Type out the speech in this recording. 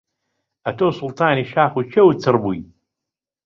ئەتۆ سوڵتانی شاخ و کێو و چڕ بووی